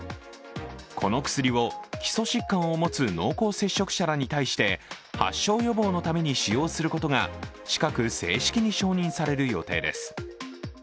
この薬を基礎疾患を持つ濃厚接触者らに対して発症予防のために使用することが近く正式に承認される予定です。